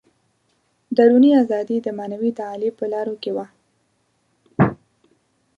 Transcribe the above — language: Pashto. دروني ازادي د معنوي تعالي په لارو کې وه.